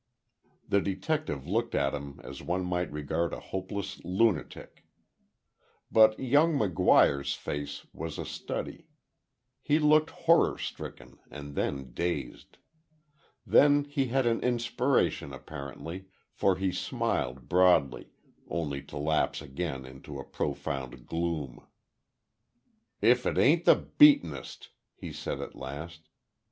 The detective looked at him as one might regard a hopeless lunatic. But young McGuire's face was a study. He looked horror stricken and then dazed. Then he had an inspiration apparently, for he smiled broadly—only to lapse again into a profound gloom. "If it ain't the beatin'est!" he said, at last.